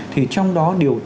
thì trong đó điều gì